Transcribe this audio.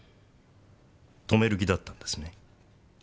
止める気だったんですね？